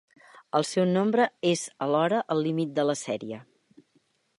El seu nombre és alhora el límit de la sèrie.